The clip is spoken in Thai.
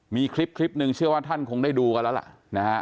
มีคลิปหนึ่งเชื่อว่าท่านคงได้ดูตรงนั้นแล้ว